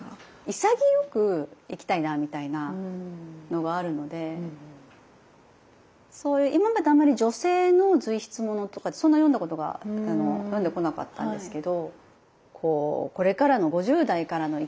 潔く生きたいなみたいなのはあるのでそういう今まであまり女性の随筆ものとかってそんな読んだことが読んでこなかったんですけど。